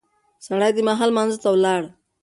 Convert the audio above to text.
سړی د ماښام لمانځه ته ولاړ.